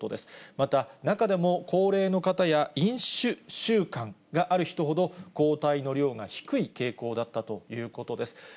また、中でも高齢の方や飲酒習慣がある人ほど、抗体の量が低い傾向だったということです。